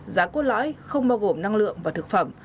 giá cốt lõi không bao gồm năng lượng và thực phẩm